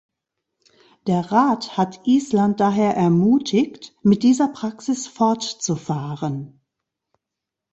Der Rat hat Island daher ermutigt, mit dieser Praxis fortzufahren.